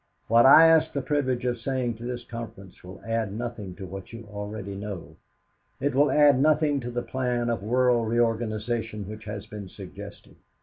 What I ask the privilege of saying to this conference will add nothing to what you already know, it will add nothing to the plan of world reorganization which has been suggested.